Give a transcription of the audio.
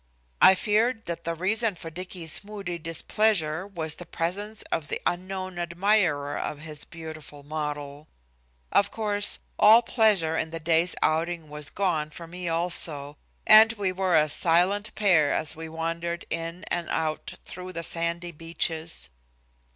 I feared that the reason for Dicky's moody displeasure was the presence of the unknown admirer of his beautiful model. Of course, all pleasure in the day's outing was gone for me also, and we were a silent pair as we wandered in and out through the sandy beaches.